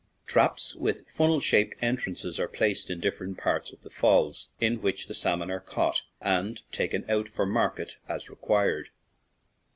Traps with funnel shaped entrances are placed in different parts of the falls, in which the salmon are caught, and taken out for market as re quired.